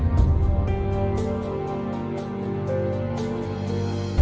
โปรดติดตามต่อไป